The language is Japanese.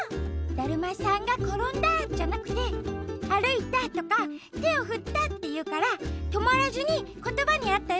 「だるまさんがころんだ」じゃなくて「あるいた」とか「てをふった」っていうからとまらずにことばにあったうごきをしてね。